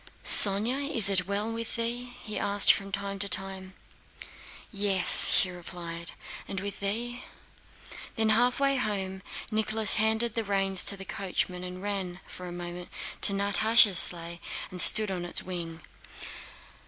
"Sónya, is it well with thee?" he asked from time to time. "Yes!" she replied. "And with thee?" When halfway home Nicholas handed the reins to the coachman and ran for a moment to Natásha's sleigh and stood on its wing.